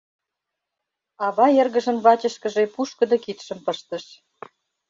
Ава эргыжын вачышкыже пушкыдо кидшым пыштыш: